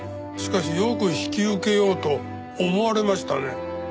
しかしよく引き受けようと思われましたね。